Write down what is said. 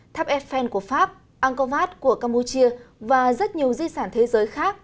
tháp eiffel của pháp angkor wat của campuchia và rất nhiều di sản thế giới khác